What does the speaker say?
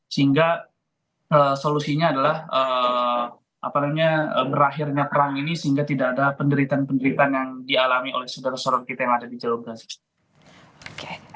sehingga solusinya adalah berakhirnya perang ini sehingga tidak ada penderitaan penderitaan yang dialami oleh saudara saudara kita yang ada di jalur gaza